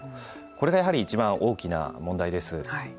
これがやはりいちばん大きな問題です。